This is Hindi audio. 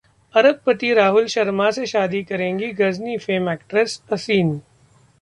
अरबपति 'राहुल शर्मा' से शादी करेंगी 'गजनी' फेम एक्ट्रेस असिन